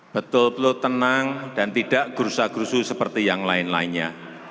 betul betul tenang dan tidak gerusa gerusu seperti yang lain lainnya